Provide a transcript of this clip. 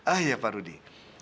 ah ya pak rudy